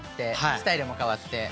スタイルも変わって。